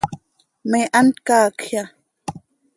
¿Me hant caacjya?